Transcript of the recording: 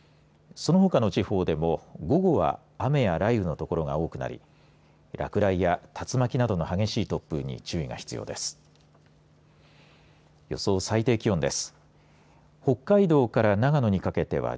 そのほかの地方でも午後は雨や雷雨の所が多くなり落雷や竜巻などの激しい突風に注意が必要です。